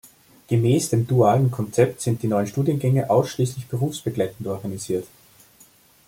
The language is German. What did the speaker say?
Gemäß dem dualen Konzept sind die neuen Studiengänge ausschließlich berufsbegleitend organisiert.